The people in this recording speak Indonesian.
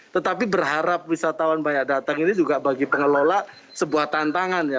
tetapi berharap wisatawan banyak datang ini juga bagi pengelola sebuah tantangan ya